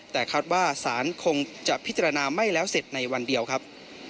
แต่คาดว่าศาลคงจะพิจารณาไม่แล้วเสร็จในวันเดียวครับ